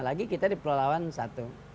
lagi kita diperlawan satu